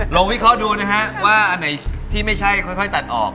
ลองวิเคราะห์ดูนะครับว่าไหนที่ไม่ใช่ค่อยตัดออก